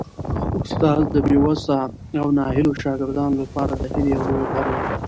استاد د بې وسه او ناهیلو شاګردانو لپاره د هیلې یو لوی غر وي.